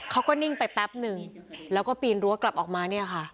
เขาก็นิ่งไปแป๊บนึงแล้วก็ปีนรั้วกลับออกมาเนี่ยค่ะ